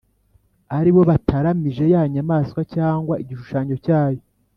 ari bo batāramije ya nyamaswa cyangwa igishushanyo cyayo